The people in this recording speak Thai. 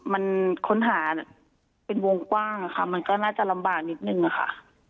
มันค้นหาเป็นวงกว้างค่ะมันก็น่าจะลำบากนิดนึงอะค่ะ